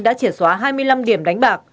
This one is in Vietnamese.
đã chìa xóa hai mươi năm điểm đánh bạc